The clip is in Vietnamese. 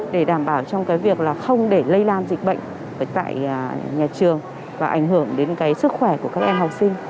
để đảm bảo trong cái việc là không để lây lan dịch bệnh